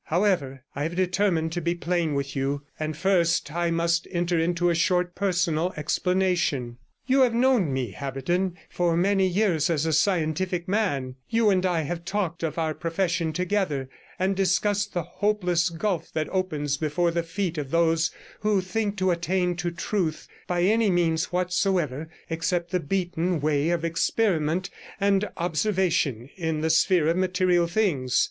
However, I have determined to be plain with you, and first I must enter into a short personal explanation. 'You have known me, Haberden, for many years as a scientific man; you and I have often talked of our profession together, and discussed the hopeless gulf that opens before the feet of those who think to attain to truth by any means whatsoever except the beaten way of experiment and observation in the sphere of material things.